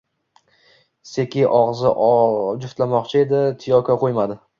Seki og`iz juftlamokchi edi, Tiyoko qo`ymadi